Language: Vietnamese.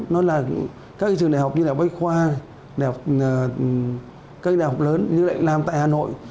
nó là các trường đại học như đại học bách khoa các trường đại học lớn như lại làm tại hà nội